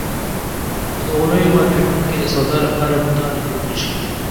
په دغو نویو مارکېټونو کې د سودا لپاره بوتان اېښودل شوي.